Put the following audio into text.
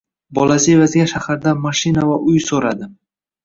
bolasi evaziga shahardan mashina va uy so`radi